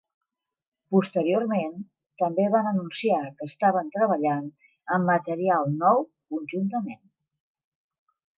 Posteriorment també van anunciar que estaven treballant en material nou conjuntament.